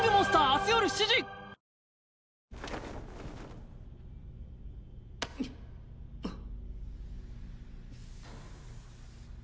あっ！